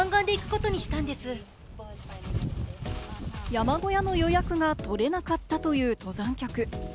山小屋の予約が取れなかったという登山客。